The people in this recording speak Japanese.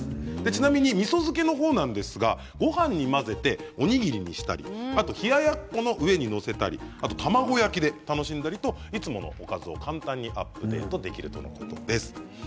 ちなみに、みそ漬けですがごはんに混ぜておにぎりにしたり冷ややっこの上に載せたり卵焼きで楽しんだりと、いつものおかずを簡単にアップデートできるとのことです。